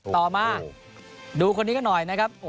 ต่อมาดูคนนี้กันหน่อยนะครับ